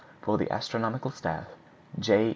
For the Astronomical Staff, J.